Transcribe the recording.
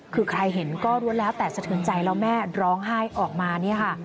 คือใครเห็นก็รวมแล้วแต่สะเทือนใจแล้วแม่ร้องไห้ออกมาเนี่ยค่ะ